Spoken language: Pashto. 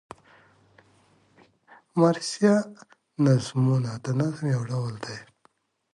مرثیه نظمونه د نظم یو ډول دﺉ.